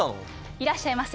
いらっしゃいませ！